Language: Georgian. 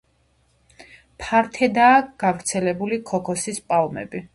ფართედაა გავრცელებული ქოქოსის პალმები.